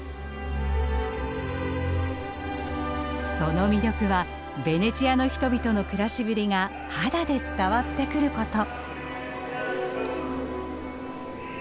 その魅力はベネチアの人々の暮らしぶりが肌で伝わってくること。